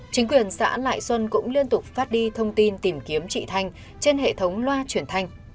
chính quyền xã lại xuân cũng liên tục phát đi thông tin tìm kiếm chị thanh trên hệ thống loa chuyển thanh